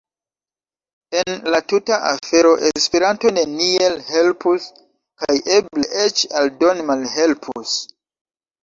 En la tuta afero Esperanto neniel helpus kaj eble eĉ aldone malhelpus.